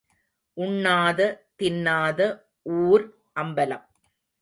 உண்ணாத தின்னாத ஊர் அம்பலம்.